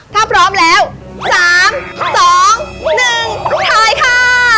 ถ้าพร้อมแล้ว๓๒๑ถ่ายค่ะ